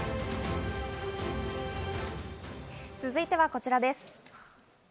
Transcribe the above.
続いてはこちらです。